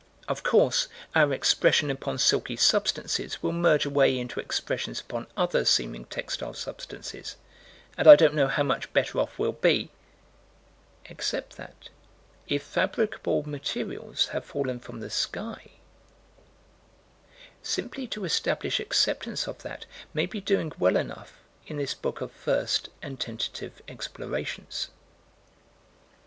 Of course, our expression upon silky substances will merge away into expressions upon other seeming textile substances, and I don't know how much better off we'll be Except that, if fabricable materials have fallen from the sky Simply to establish acceptance of that may be doing well enough in this book of first and tentative explorations.